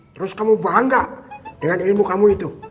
terus kamu bangga dengan ilmu kamu itu